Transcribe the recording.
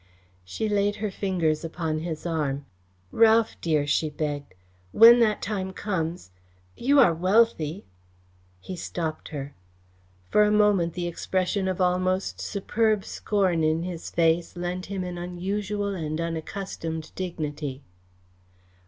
She laid her fingers upon his arm. "Ralph dear," she begged, "when that time comes you are wealthy " He stopped her. For a moment the expression of almost superb scorn in his face lent him an unusual and unaccustomed dignity.